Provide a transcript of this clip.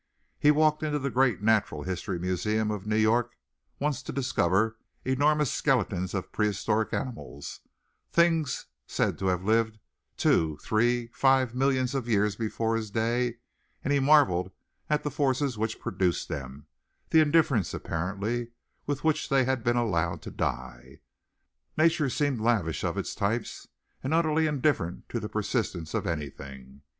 He walked into the great natural history museum of New York once to discover enormous skeletons of prehistoric animals things said to have lived two, three, five millions of years before his day and he marvelled at the forces which produced them, the indifference, apparently, with which they had been allowed to die. Nature seemed lavish of its types and utterly indifferent to the persistence of anything.